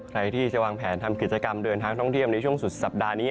ใครที่จะวางแผนทำกิจกรรมเดินทางท่องเที่ยวในช่วงสุดสัปดาห์นี้